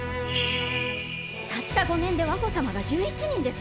たった５年で和子様が１１人ですぞ！